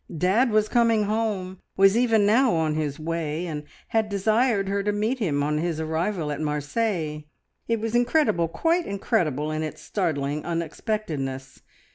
Dad was coming home, was even now on his way, and had desired her to meet him on his arrival at Marseilles. It was incredible, quite incredible in its startling unexpectedness.